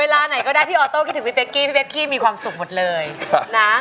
เวลาไหนก็ได้พี่ออโต้คิดถึงพี่เป๊กกี้พี่เป๊กกี้มีความสุขหมดเลยนะ